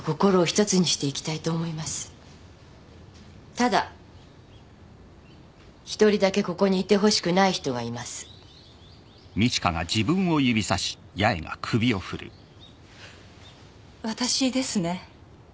ただ１人だけここにいてほしくない人がいます私ですね